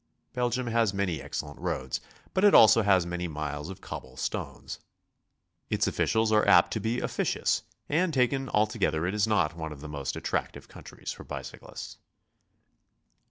Belgium has many excellent roads, but it also has many miles of cobble stones. Its officials are apt to be officious, and taken altogether it is not on«e of the most attractive countries for bicyclists.